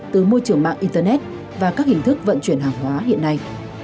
từ môi trường mạng internet và các hình thức vận chuyển hàng hóa hiện nay